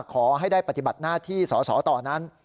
ขอให้ได้ปฏิบัติหน้าที่สอสอต่อนั้น